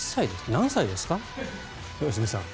何歳ですか、良純さん。